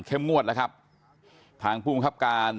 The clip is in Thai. เข้มงวดนะครับทางภูมิคับการ